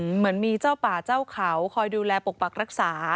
เหมือนมีเจ้าป่าเจ้าเขาคอยดูแลปกปักรักษา